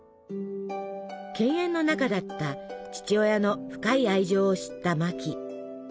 犬猿の仲だった父親の深い愛情を知ったマキ。